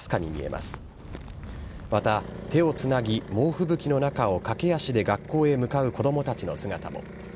また、手をつなぎ、猛吹雪の中を駆け足で学校へ向かう子どもたちの姿も。